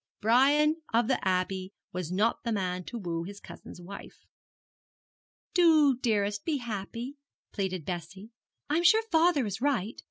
Brian of the Abbey was not the man to woo his cousin's wife. 'Do, dearest, be happy,' pleaded Bessie. 'I'm sure father is right.